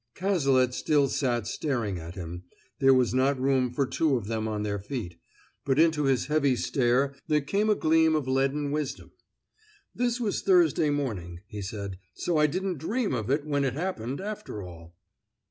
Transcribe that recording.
Cazalet still sat staring at him there was not room for two of them on their feet but into his heavy stare there came a gleam of leaden wisdom. "This was Thursday morning," he said, "so I didn't dream of it when it happened, after all."